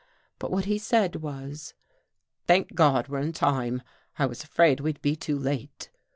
But what he said was :" Thank God, we're in time. I was afraid we'd be too late."